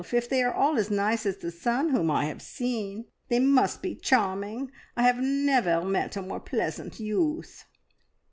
If they are all as nice as the son whom I have seen, they must be charming. I have never met a more pleasant youth."